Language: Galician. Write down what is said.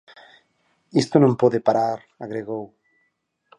Isto non pode parar, agregou.